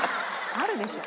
あるでしょ。